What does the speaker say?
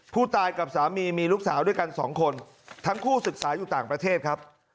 ผู้ตายกับสามีมีลูกสาวด้วยกันสองคนทั้งคู่ศึกษาอยู่ต่างประเทศครับ